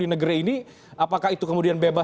di negeri ini apakah itu kemudian bebas